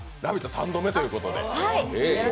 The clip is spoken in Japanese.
３度目ということで。